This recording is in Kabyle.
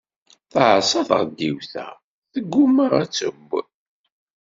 Teɛṣa tɣeddiwt-a, tgumma ad teww.